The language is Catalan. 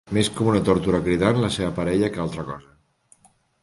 Més com una tórtora cridant la seva parella que altra cosa.